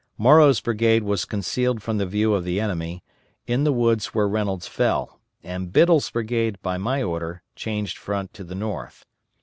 Morrow's brigade was concealed from the view of the enemy, in the woods where Reynolds fell, and Biddle's brigade, by my order, changed front to the north.